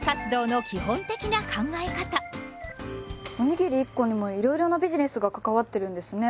おにぎり１個にもいろいろなビジネスが関わってるんですね。